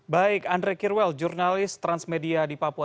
baik andre kirwel jurnalis transmedia di papua